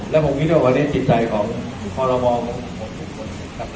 และผมคิดว่าวัแดดจิตใจของขอรับว่าของผมของคุณคนต่าง